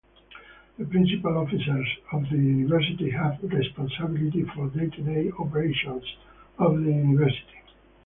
The Principal Officers of the university have responsibility for day-to-day operations of the University.